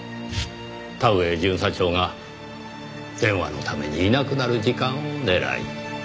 田上巡査長が電話のためにいなくなる時間を狙い。